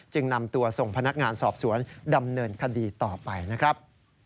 นำตัวส่งพนักงานสอบสวนดำเนินคดีต่อไปนะครับ